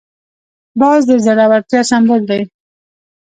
باز د زړورتیا سمبول دی